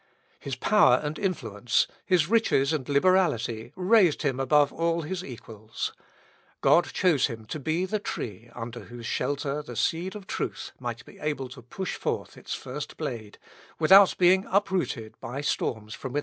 His power and influence, his riches and liberality, raised him above all his equals. God chose him to be the tree under whose shelter the seed of truth might be able to push forth its first blade, without being uprooted by storms from without.